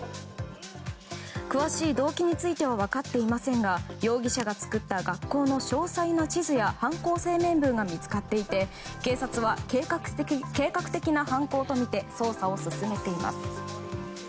詳しい動機については分かっていませんが容疑者が作った学校の詳細な地図や犯行声明文が見つかっていて警察は計画的な犯行とみて捜査を進めています。